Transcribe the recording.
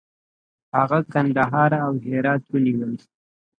هغه کندهار او هرات ونیول.